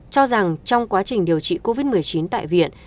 cho rằng trong quá trình điều trị covid một mươi chín tại viện